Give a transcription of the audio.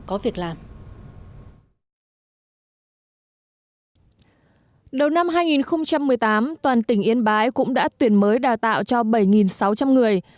đầu năm hai nghìn một mươi tám toàn tỉnh yên bái cũng đã tuyển mới đào tạo cho bảy sáu trăm linh người